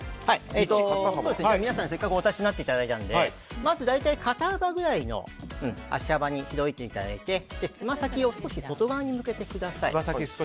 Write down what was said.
皆さん、せっかくお立ちになっていただいたのでまず大体肩幅ぐらいの足幅に開いていただいてつま先を少し外側に向けてください。